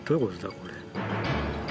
これ。